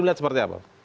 lihat seperti apa